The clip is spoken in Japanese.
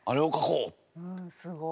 うんすごい。